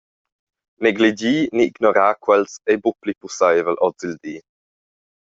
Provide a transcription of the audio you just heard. Negligir ni ignorar quels ei buca pli pusseivel ozildi.